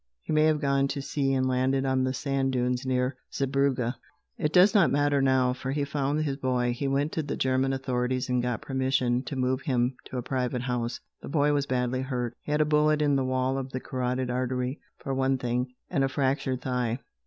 He may have gone to sea and landed on the sand dunes near Zeebrugge. It does not matter how, for he found his boy. He went to the German authorities and got permission to move him to a private house. The boy was badly hurt. He had a bullet in the wall of the carotid artery, for one thing, and a fractured thigh.